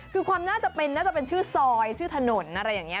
คือความน่าจะเป็นน่าจะเป็นชื่อซอยชื่อถนนอะไรอย่างนี้